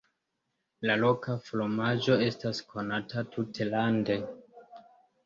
La loka fromaĝo estas konata tutlande.